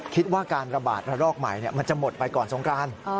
คิดว่าการระบาดระลอกใหม่มันจะหมดไปก่อนสงคราน